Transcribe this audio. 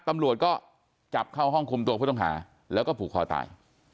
ตำรวจก็จับเข้าห้องคุมตัวผู้ต้องหาแล้วก็ผูกคอตาย